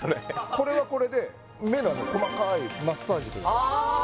これはこれで目の細かいマッサージというかああああ